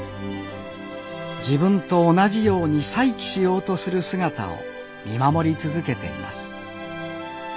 自分と同じように再起しようとする姿を見守り続けています